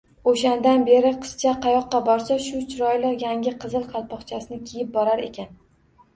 Oʻshandan beri qizcha qayoqqa borsa, shu chiroyli, yangi qizil qalpoqchasini kiyib borar ekan